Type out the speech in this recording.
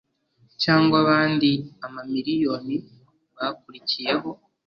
cyangwa abandi amamiliyoni bakurikiyeho